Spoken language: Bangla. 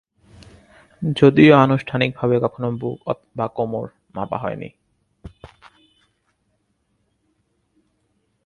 যদিও আনুষ্ঠানিকভাবে কখনও বুক বা কোমর মাপা হয়নি।